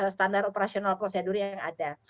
standar operasional prosedur yang ada